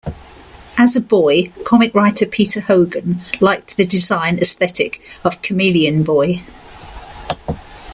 As a boy, comic writer Peter Hogan liked the design aesthetic of Chameleon Boy.